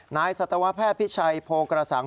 นายสตวแพทย์พิชัยโภกฤษัง